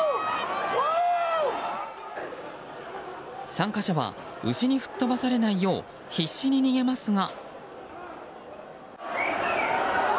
参加者は牛に吹っ飛ばされないよう必死に逃げますが。